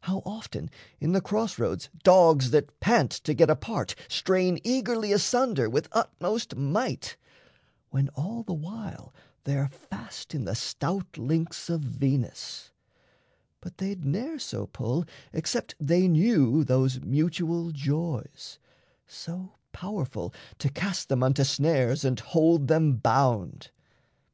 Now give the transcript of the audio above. How often in the cross roads dogs that pant To get apart strain eagerly asunder With utmost might? When all the while they're fast In the stout links of Venus. But they'd ne'er So pull, except they knew those mutual joys So powerful to cast them unto snares And hold them bound.